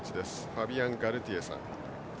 ファビアン・ガルティエさん。